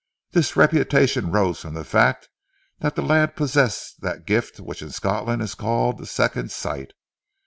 This reputation rose from the fact that the lad possessed that gift which in Scotland is called the second sight.